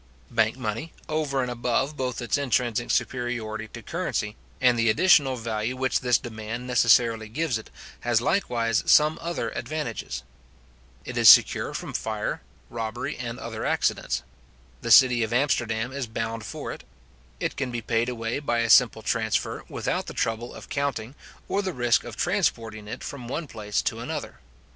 Bank money, over and above both its intrinsic superiority to currency, and the additional value which this demand necessarily gives it, has likewise some other advantages, It is secure from fire, robbery, and other accidents; the city of Amsterdam is bound for it; it can be paid away by a simple transfer, without the trouble of counting, or the risk of transporting it from one place to another.